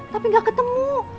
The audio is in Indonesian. tapi gak ketemu